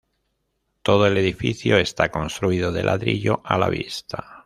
Todo el edificio está construido de ladrillo a la vista.